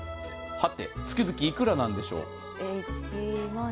月々いくらなんでしょう？